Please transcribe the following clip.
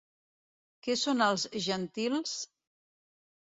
Què són els gentils?